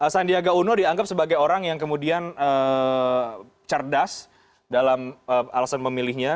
sandiaga uno dianggap sebagai orang yang kemudian cerdas dalam alasan memilihnya